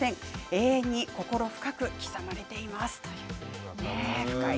永遠に心深く刻まれています。